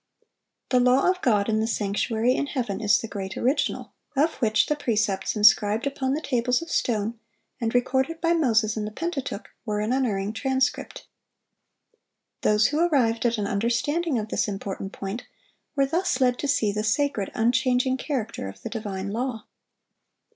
The law of God in the sanctuary in heaven is the great original, of which the precepts inscribed upon the tables of stone, and recorded by Moses in the Pentateuch, were an unerring transcript. Those who arrived at an understanding of this important point, were thus led to see the sacred, unchanging character of the divine law.